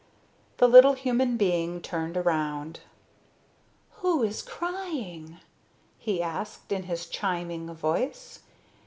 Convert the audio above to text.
The little human being turned around. "Who is crying?" he asked in his chiming voice.